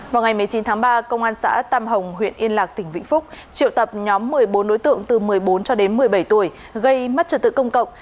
vào ngày một mươi chín tháng ba công an xã tam hồng huyện yên lạc tỉnh vĩnh phúc triệu tập nhóm một mươi bốn đối tượng từ một mươi bốn cho đến một mươi bảy tuổi gây mất trật tự công cộng